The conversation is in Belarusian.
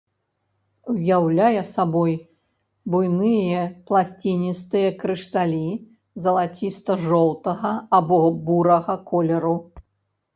Уяўляе сабой буйныя пласціністыя крышталі залаціста-жоўтага або бурага колеру.